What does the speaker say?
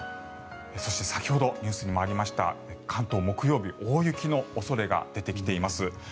そして、先ほどニュースにもありました関東、木曜日大雪の恐れが出てきています。